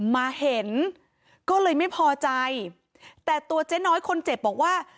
มาเห็นก็เลยไม่พอใจแต่ตัวเจ๊น้อยคนเจ็บบอกว่า